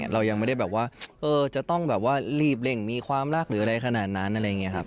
เรายังไม่ได้แบบว่าจะต้องแบบว่ารีบเร่งมีความรักหรืออะไรขนาดนั้นอะไรอย่างนี้ครับ